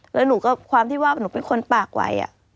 แล้วหนูก็ความที่ว่าหนูเป็นคนปากไหว